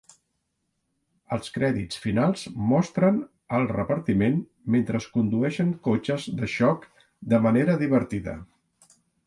Els crèdits finals mostren el repartiment mentre es condueixen cotxes de xoc de manera divertida.